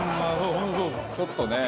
ちょっとね。